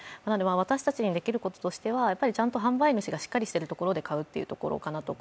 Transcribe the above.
私たちにできることとしてはちゃんと販売主がしっかりしているところで買うことかなと。